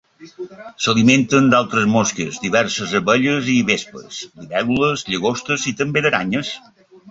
S'alimenten d'altres mosques, diverses abelles i vespes, libèl·lules, llagostes i també d'aranyes.